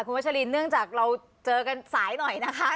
คุณวัชลินเนื่องจากเราเจอกันสายหน่อยนะคะ